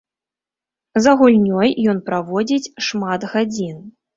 За гульнёй ён праводзіць шмат гадзін.